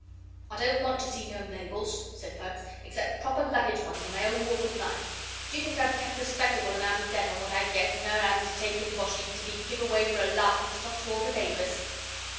"I don't want to see no labels," said Perks, "except proper luggage ones in my own walk of life. Do you think I've kept respectable and outer debt on what I gets, and her having to take in washing, to be give away for a laughing stock to all the neighbours?"